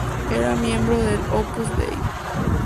Era miembro del Opus Dei.